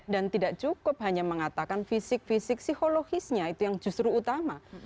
dan tidak cukup hanya mengatakan fisik fisik psikologisnya itu yang justru utama